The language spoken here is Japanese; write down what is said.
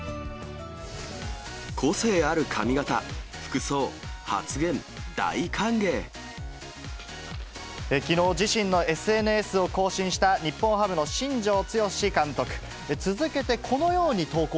個性ある髪形、服装、発言、きのう、自身のＳＮＳを更新した日本ハムの新庄剛志監督。